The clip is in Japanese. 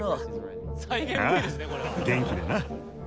ああ元気でな。